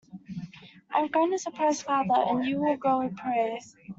I am going to surprise father, and you will go with Pierre.